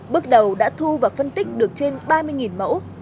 bước đầu đã thu và phân tích được trên ba mươi mẫu